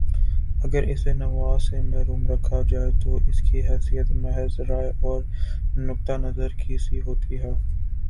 اگر اسے نفاذ سے محروم رکھا جائے تو اس کی حیثیت محض رائے اور نقطۂ نظر کی سی ہوتی ہے